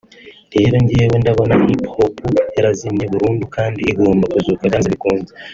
rero njyewe ndabona hip hop yarazimye burundu kandi igomba kuzuka byanze bikunze